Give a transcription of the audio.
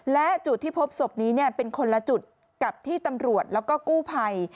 และจุดที่พบศพนี้เป็นคนละจุดกับที่ตำรวจแล้วก็กู้ภัย